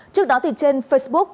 trước đó thì trên facebook